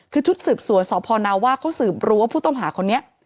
คือชุดสืบสวนสพนาว่าเขาสืบรู้ว่าผู้ต้องหาคนนี้